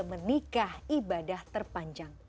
menikah ibadah terpanjang